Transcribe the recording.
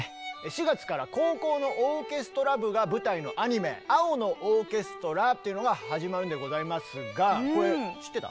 ４月から高校のオーケストラ部が舞台のアニメ「青のオーケストラ」というのが始まるんでございますがこれ知ってた？